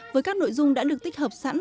với các nội dung đã được tích hợp sẵn